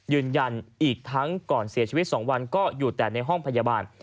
ยืนยันอีกทั้งก่อนเสียชีวิต๒วันก็อยู่แต่ในห้องพยาบาล